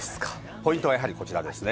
ポイントはやはりこちらですね。